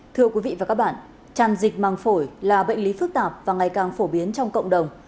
thưa quý vị và các bạn tràn dịch màng phổi là bệnh lý phức tạp và ngày càng phổ biến trong cộng đồng